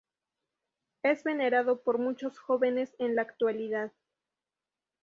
Es venerado por muchos jóvenes en la actualidad.